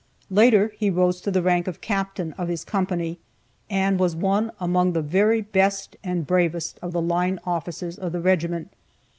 Later he rose to the rank of Captain of his company, and was one among the very best and bravest of the line officers of the regiment.